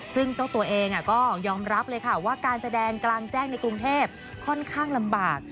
ซึ่งเจ้าตัวเองก็ยอมรับเลยค่ะว่าการแสดงกลางแจ้งในกรุงเทพค่อนข้างลำบาก